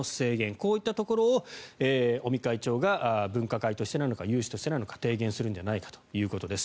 こういったところを尾身会長が分科会としてなのか有志としてなのか提言するんじゃないかということです。